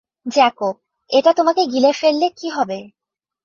Jacob, এটা তোমাকে গিলে ফেললে কী হবে?